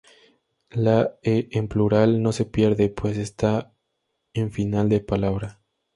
La -e- en plural no se pierde, pues no está en final de palabra.